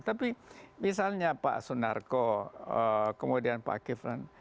tapi misalnya pak sunarko kemudian pak kiflan